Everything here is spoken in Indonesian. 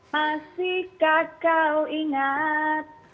masih kakau ingat